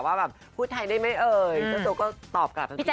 ว่าแบบพูดไทยได้มั้ยเอ่ยแล้วโทษก็ตอบกลับทั้งทีว่า